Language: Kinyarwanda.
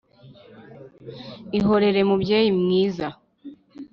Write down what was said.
Ihorere mubyeyi mwiza